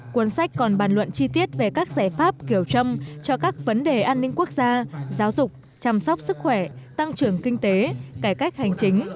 cuốn sách còn bàn luận chi tiết về các giải pháp kiểu trâm cho các vấn đề an ninh quốc gia giáo dục chăm sóc sức khỏe tăng trưởng kinh tế cải cách hành chính